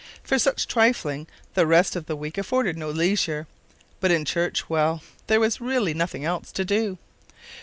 For such trifling the rest of the week afforded no leisure; but in church well, there was really nothing else to do!